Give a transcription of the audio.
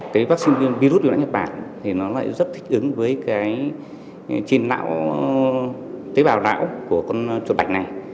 cái vaccine viêm virus viêm não nhật bản thì nó lại rất thích ứng với cái trình não tế bào não của con chuột bạch này